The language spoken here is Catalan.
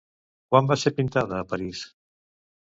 Quan va ser pintada a París?